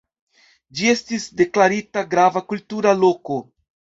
Ĝi estis deklarita Grava Kultura Loko.